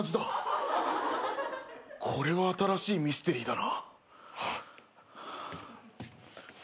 これは新しいミステリーだな。